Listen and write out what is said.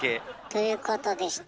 ということでした。